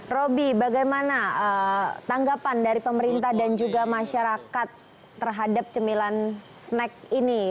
roby bagaimana tanggapan dari pemerintah dan juga masyarakat terhadap cemilan snack ini